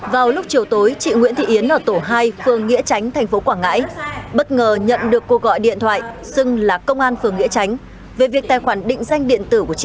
vào lúc chiều tối chị nguyễn thị yến ở tổ hai phường nghĩa tránh thành phố quảng ngãi bất ngờ nhận được cô gọi điện thoại xưng là công an phường nghĩa tránh về việc tài khoản định danh điện tử của chị